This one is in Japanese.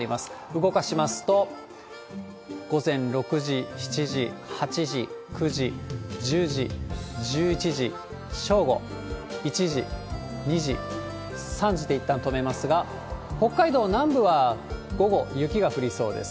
動かしますと、午前６時、７時、８時、９時、１０時、１１時、正午、１時、２時、３時でいったん止めますが、北海道南部は午後、雪が降りそうです。